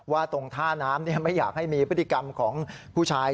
ว่าตรงท่าน้ำไม่อยากให้มีพฤติกรรมของผู้ชาย